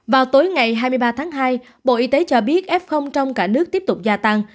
vào tối ngày hai mươi ba tháng hai bộ y tế cho biết f trong cả nước tiếp tục gia tăng